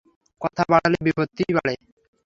কথা বাড়ালে বিপত্তিই বাড়ে।